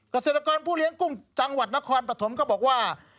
เกษตรกรผู้เลี้ยงกุ้งจังหวัดนครปฐมก็บอกว่า